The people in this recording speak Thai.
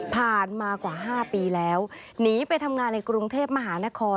ผ่านมากว่า๕ปีแล้วหนีไปทำงานในกรุงเทพมหานคร